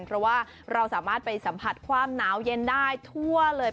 เพราะว่าเราสามารถไปสัมผัสความหนาวเย็นได้ทั่วเลย